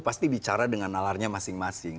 pasti bicara dengan nalarnya masing masing